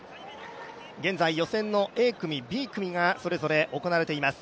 現在予選のＡ組、Ｂ組がそれぞれ行われています。